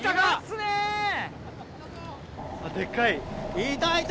いたいた！